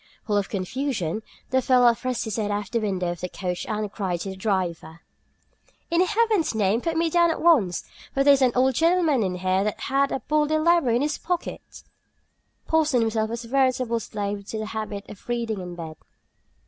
Full of confusion, the fellow thrust his head out of the window of the coach and cried to the driver: "In heaven's name, put me down at once; for there is an old gentleman in here that hath the Bodleian Library in his pocket!" Porson himself was a veritable slave to the habit of reading in bed.